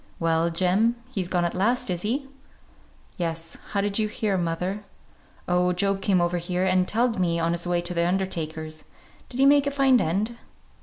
"Well, Jem, he's gone at last, is he?" "Yes. How did you hear, mother?" "Oh, Job came over here and telled me, on his way to the undertaker's. Did he make a fine end?"